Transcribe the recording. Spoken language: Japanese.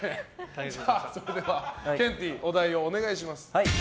ケンティーお題をお願いします。